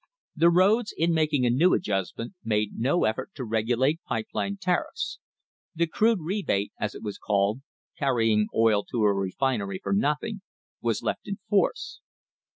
The roads in making a new adjustment made no effort to regulate pipe line tariffs. The "crude rebate" as it was called — carrying oil to a refinery^ for nothing — was left in force.